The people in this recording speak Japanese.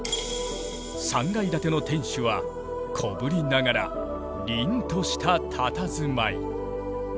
３階建ての天守は小ぶりながら凛とした佇まい。